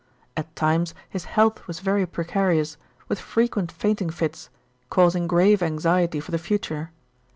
At times his health was very precarious, with frequent fainting fits, causing grave anxiety for the future.